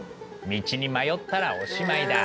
道に迷ったらおしまいだ。